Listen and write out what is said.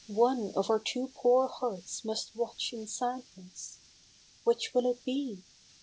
One of our two poor hearts must watch in sadness. Which will it be